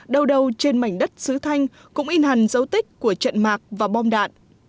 đầu đầu trên mảnh đất sứ thanh cũng in hẳn dấu tích của trận mạc và bom đạn